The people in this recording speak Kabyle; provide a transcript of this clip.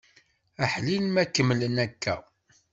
Aḥlil ma kemmlen akka!